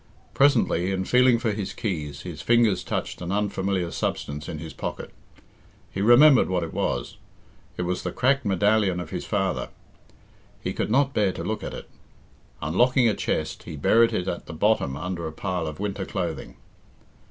Presently, in feeling for his keys, his fingers touched an unfamiliar substance in his pocket. He remembered what it was. It was the cracked medallion of his father. He could not bear to look at it. Unlocking a chest, he buried it at the bottom under a pile of winter clothing.